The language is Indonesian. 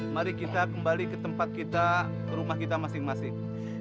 mari kita kembali ke tempat kita ke rumah kita masing masing